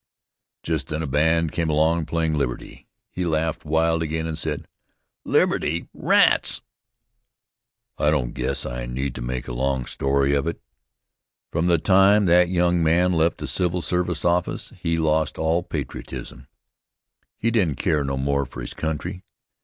Just then a band came along playing "Liberty." He laughed wild again and said: "Liberty? Rats!" I don't guess I need to make a long story of it. From the time that young man left the civil service office he lost all patriotism. He didn't care no more for his country.